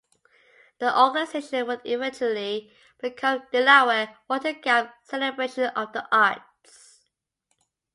The organization would eventually become the Delaware Water Gap Celebration of the Arts.